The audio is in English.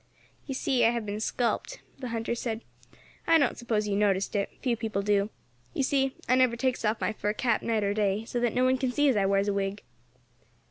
"You see I have been scalped," the hunter said. "I don't suppose you noticed it few people do. You see, I never takes off my fur cap night or day, so that no one can see as I wears a wig."